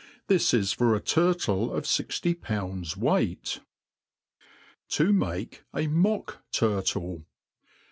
This is for a turtle of fixty pounds weight. To make m Mock Turtle.